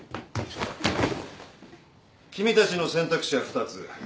君たちの選択肢は２つ。